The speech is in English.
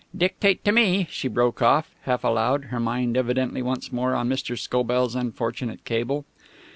Dictate to me!" she broke off, half aloud, her mind evidently once more on Mr. Scobell's unfortunate cable.